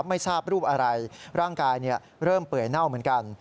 ไม่ทราบรูปอะไรร่างกายเริ่มเปื่อยเน่าเหมือนกัน